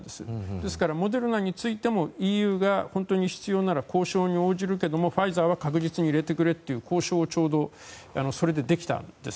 ですから、モデルナについてもＥＵが本当に必要なら交渉に応じるけれどもファイザーは確実に入れてくれという交渉をちょうど、それでできたんです。